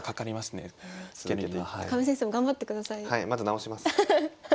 まず治します。